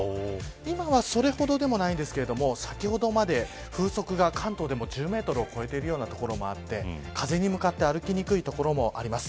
今はそれほどでもないんですけれども先ほどまで、風速が関東でも１０メートルを超えているような所もあって風に向かって歩きにくい所もあります。